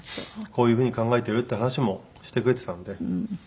こういう風に考えてるっていう話もしてくれてたので。